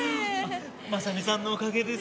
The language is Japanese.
真実さんのおかげです。